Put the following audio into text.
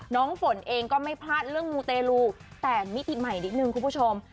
ฝนเองก็ไม่พลาดเรื่องมูเตลูแต่มิติใหม่นิดนึงคุณผู้ชม